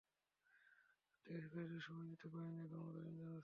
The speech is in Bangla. চাকরি করতে গিয়ে শিক্ষার্থীদের সময় দিতে পারিনি, এখন মাত্র তিনজন আছে।